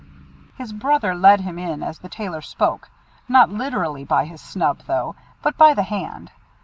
His brother led him in as the Tailor spoke, not literally by his snub, though, but by the hand.